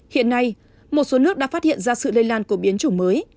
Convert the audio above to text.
hiện nay một số nước đã phát hiện ra sự lây lan của biến chủng mới